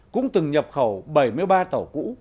cũng từng nhập khẩu bảy mươi ba tàu cũ